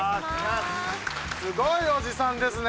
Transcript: すごいおじさんですね